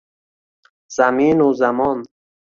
Zaminu zamon